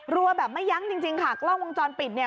รัวแบบไม่ยั้งจริงจริงค่ะกล้องวงจรปิดเนี่ย